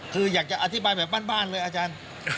คืออยากจะอธิบายแบบบ้านเลยอาจารย์